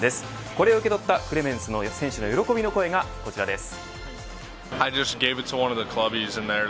これを受け取ったクレメンス選手から喜びの声がこちらです。